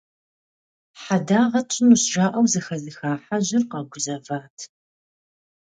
«Хьэдагъэ тщӏынущ» жаӏэу зыхэзыха хьэжьыр къэгузэват.